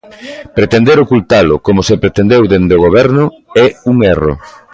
Pretender ocultalo, como se pretendeu dende o Goberno, é un erro.